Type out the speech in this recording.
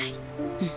うん。